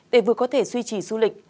để vừa có thể duy trì du lịch